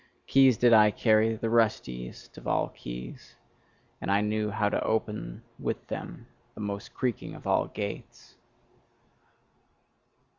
Keys did I carry, the rustiest of all keys; and I knew how to open with them the most creaking of all gates.